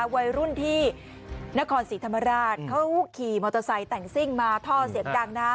วัยรุ่นที่นครศรีธรรมราชเขาขี่มอเตอร์ไซค์แต่งซิ่งมาท่อเสียงดังนะ